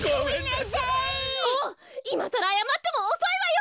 いまさらあやまってもおそいわよ！